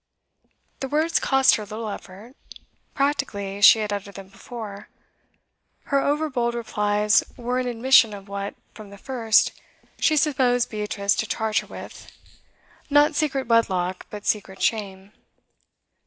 The words cost her little effort. Practically, she had uttered them before; her overbold replies were an admission of what, from the first, she supposed Beatrice to charge her with not secret wedlock, but secret shame.